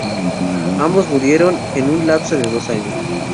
Ambos murieron en un lapso de dos años.